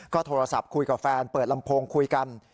ก็โทรศัพท์คุยกับแฟนเปิดลำโพงคุยกัน